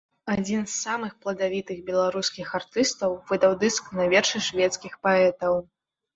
Адзін з самых пладавітых беларускіх артыстаў выдаў дыск на вершы шведскіх паэтаў.